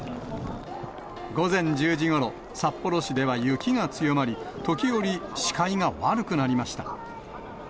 午前１０時ごろ、札幌市では雪が強まり、時折、視界が悪くなりました。